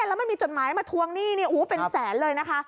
แล้วมันมีจดหมายมาทวงหนี้เป็นแสนเลยนะคะ